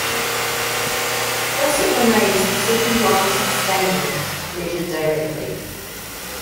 Thus it remains the second longest span width, measured directly.